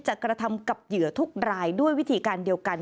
กระทำกับเหยื่อทุกรายด้วยวิธีการเดียวกัน